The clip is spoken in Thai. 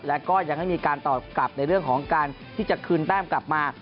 และก็ยังไม่มีการตอบกลับในเรื่องของการที่จะคืนแต้มกลับมา